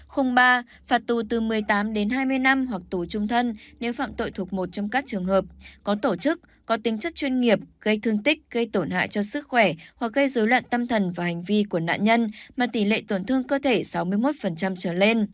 khung ba phạt tù từ một mươi tám đến hai mươi năm hoặc tù trung thân nếu phạm tội thuộc một trong các trường hợp có tổ chức có tính chất chuyên nghiệp gây thương tích gây tổn hại cho sức khỏe hoặc gây dối loạn tâm thần và hành vi của nạn nhân mà tỷ lệ tổn thương cơ thể sáu mươi một trở lên